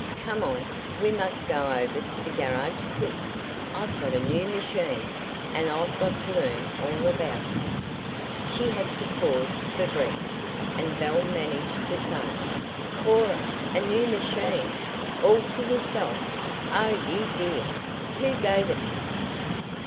"Come on! We must go over to the garage, quick! I've got a new machine, and I've got to learn all about it." She had to pause for breath, and Belle managed to say "Cora! A new machine! All for yourself! Oh, you dear! Who gave it to you?"